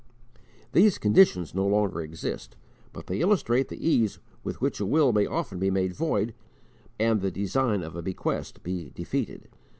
These conditions no longer exist, but they illustrate the ease with which a will may often be made void, and the design of a bequest be defeated.